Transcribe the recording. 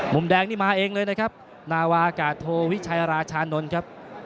มุมแดงนี่มาเองเลยนะครับนาวากาศโทวิชัยราชานนท์ครับ